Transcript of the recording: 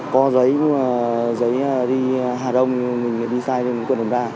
có giấy đi hà đông mình đi sai thì mình quên đường ra